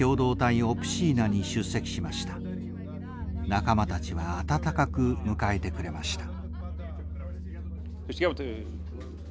仲間たちは温かく迎えてくれました。